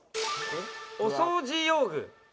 お掃除用具。